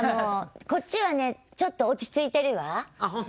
こっちはちょっと落ち着いてるわ。